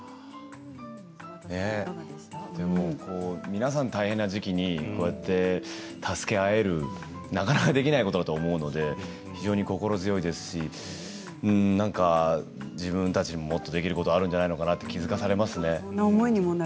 皆さん大変な時期にこうやって助け合えるなかなかできないことだと思いますので心強いですし自分たちももっとできることがあるんじゃないかと気付かされますね。